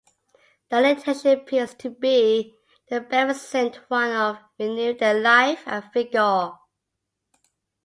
The intention appears to be the beneficent one of renewing their life and vigor.